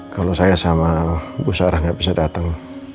kalau saya sama bu sarah nggak bisa datang